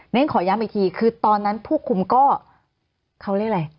งั้นขอย้ำอีกทีคือตอนนั้นผู้คุมก็เขาเรียกอะไร